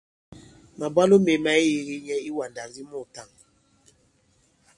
Màbwalo mē ma ke yīgi nyɛ i iwàndak di muùtǎŋ.